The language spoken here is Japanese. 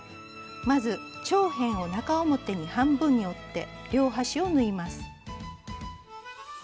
まず長辺を中表に半分に折って両端を縫います。